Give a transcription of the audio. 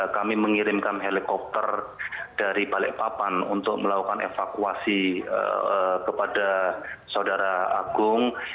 kami mengirimkan helikopter dari balikpapan untuk melakukan evakuasi kepada saudara agung